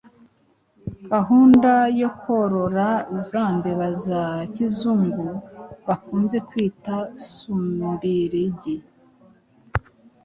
gahunda yo korora za mbeba za kizungu bakunze kwita sumbirigi,